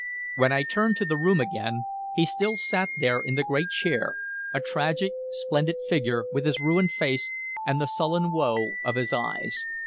When I turned to the room again, he still sat there in the great chair, a tragic, splendid figure, with his ruined face and the sullen woe of his eyes.